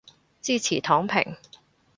支持躺平